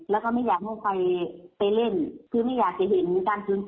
แล้วก็ไม่อยากให้ไปเล่นคือไม่อยากจะเห็นมีการสูญเสียที่อุบุญครับ